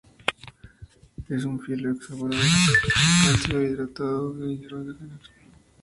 Es un filo-hexaborato de calcio, hidratado e hidroxilado.